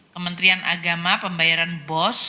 kementerian agama pembayaran bos